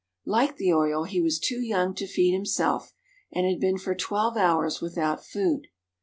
Like the oriole he was too young to feed himself and had been for twelve hours without food.